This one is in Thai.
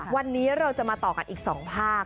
วันนี้เราจะมาต่อกันอีก๒ภาค